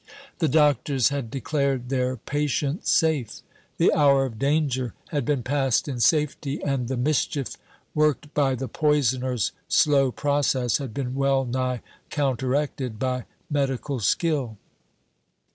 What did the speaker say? The doctors had declared their patient safe. The hour of danger had been passed in safety, and the mischief worked by the poisoner's slow process had been well nigh counteracted by medical skill.